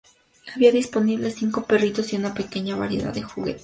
Había disponibles cinco perritos y una pequeña variedad de juguetes.